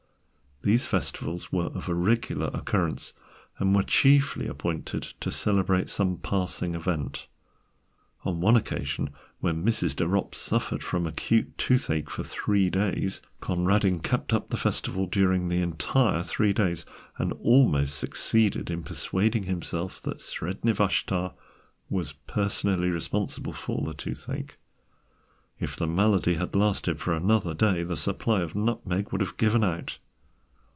These festivals were of irregular occurrence, and were chiefly appointed to celebrate some passing event. On one occasion, when Mrs. de Ropp suffered from acute toothache for three days, Conradin kept up the festival during the entire three days, and almost succeeded in persuading himself that Sredni Vashtar was personally responsible for the toothache. If the malady had lasted for another day the supply of nutmeg would have given out.